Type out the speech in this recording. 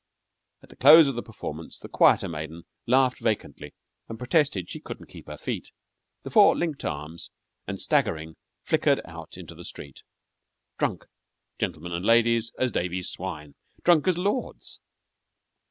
At the close of the performance the quieter maiden laughed vacantly and protested she couldn't keep her feet. The four linked arms, and staggering, flickered out into the street drunk, gentlemen and ladies, as Davy's swine, drunk as lords!